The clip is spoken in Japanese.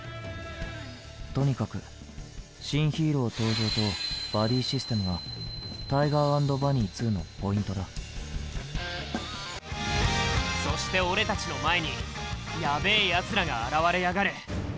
とにかく「新ヒーロー登場」と「バディシステム」が「ＴＩＧＥＲ＆ＢＵＮＮＹ２」のポイントだそして俺たちの前にやべえやつらが現れやがる。